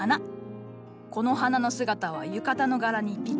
この花の姿は浴衣の柄にぴったりなんじゃ。